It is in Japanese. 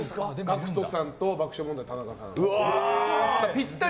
ＧＡＣＫＴさんと爆笑問題・田中さん。